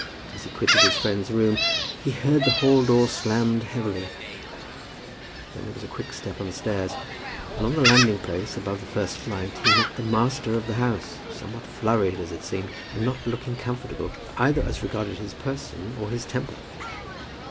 As he quitted his friend's room he heard the hall door slammed heavily; then there was a quick step on the stairs, and on the landing place above the first flight he met the master of the house, somewhat flurried, as it seemed, and not looking comfortable, either as regarded his person or his temper.